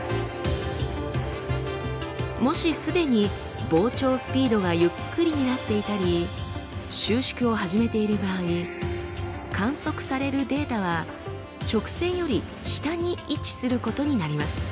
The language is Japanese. もしすでに膨張スピードがゆっくりになっていたり収縮を始めている場合観測されるデータは直線より下に位置することになります。